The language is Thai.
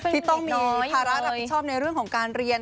ที่ต้องมีภาระรับผิดชอบในเรื่องของการเรียน